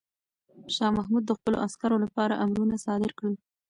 شاه محمود د خپلو عسکرو لپاره امرونه صادر کړل.